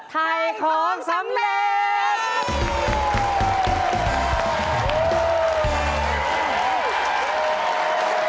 ไทยของสำเร็จ